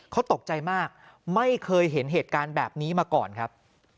เขาตกใจมากไม่เคยเห็นเหตุการณ์แบบนี้มาก่อนครับ